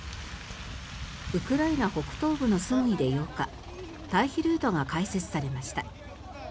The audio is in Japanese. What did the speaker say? ウクライナ北東部のスムイで８日退避ルートが開設されました。